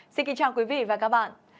xin kính chào quý vị và các bạn